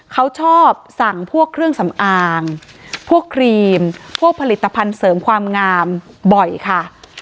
เขาชอบสั่งพวกเครื่องสำอางพวกครีมพวกผลิตภัณฑ์เสริมความงามบ่อยค่ะ